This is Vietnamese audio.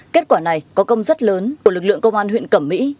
kết quả này có công rất lớn của lực lượng công an huyện cẩm mỹ